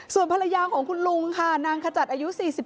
ส่วนภรรยาของคุณลุงค่ะนางขจัดอายุ๔๗